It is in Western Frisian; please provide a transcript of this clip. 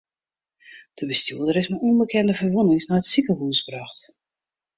De bestjoerder is mei ûnbekende ferwûnings nei it sikehûs brocht.